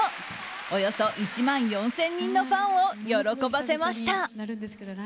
およそ１万４０００人のファンを喜ばせました。